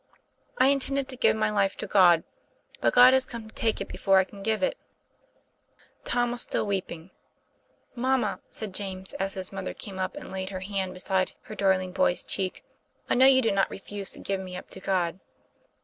I intended to give my life to God; but God has come to take it before I can give it." Tom was still weeping. 'Mamma," said James, as his mother came up and laid her head beside her darling boy's cheek, '* I know you do not refuse to give me up to God."